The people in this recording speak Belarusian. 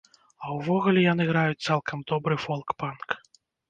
А ўвогуле яны граюць цалкам добры фолк-панк.